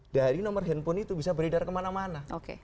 dari nomor handphone itu bisa beredar kemana mana